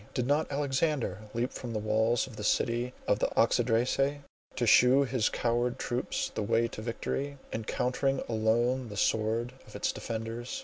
Did not Alexander leap from the walls of the city of the Oxydracae, to shew his coward troops the way to victory, encountering alone the swords of its defenders?